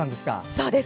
そうです。